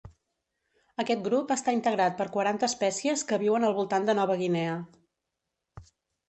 Aquest grup està integrat per quaranta espècies que viuen al voltant de Nova Guinea.